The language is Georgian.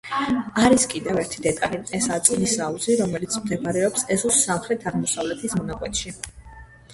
არის კიდევ ერთი დეტალი, ესაა წყლის აუზი, რომელიც მდებარეობს ეზოს სამხრეთ-აღმოსავლეთის მონაკვეთში.